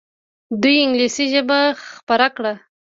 دوی انګلیسي ژبه خپره کړه.